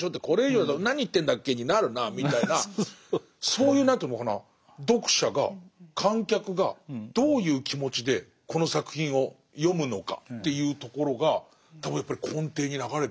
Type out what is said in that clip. これ以上だと何言ってんだっけになるなぁみたいなそういう何ていうのかな読者が観客がどういう気持ちでこの作品を読むのかっていうところが多分やっぱり根底に流れてるから。